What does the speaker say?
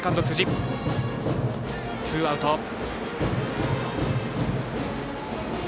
ツーアウト。